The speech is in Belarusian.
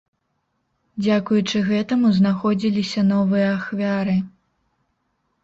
Дзякуючы гэтаму знаходзіліся новыя ахвяры.